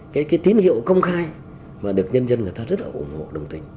cái tín hiệu công khai mà được nhân dân người ta rất là ủng hộ đồng tình